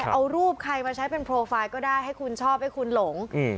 เอารูปใครมาใช้เป็นโปรไฟล์ก็ได้ให้คุณชอบให้คุณหลง